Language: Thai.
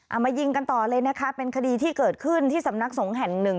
มายิงกันต่อเลยนะคะเป็นคดีที่เกิดขึ้นที่สำนักสงฆ์แห่งหนึ่ง